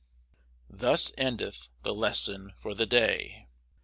Thus endeth the Lesson for the Day.